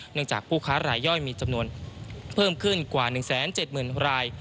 จากผู้ค้ารายย่อยมีจำนวนเพิ่มขึ้นกว่า๑๗๐๐ราย